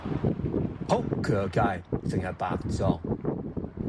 仆佢個街，成日白撞